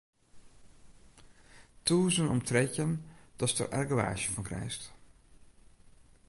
Tûzen om trettjin datst der argewaasje fan krijst.